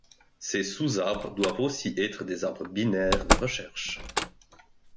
Ces sous-arbres doivent aussi être des arbres binaires de recherche.